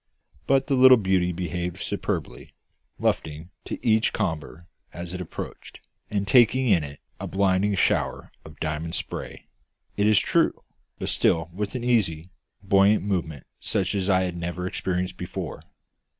But the little beauty behaved superbly, luffing to each comber as it approached, and taking it in a blinding shower of diamond spray, it is true, but still with an easy, buoyant movement such as I had never experienced before.